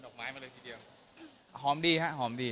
ใช้เวลาเตรียมการนานนึกไหม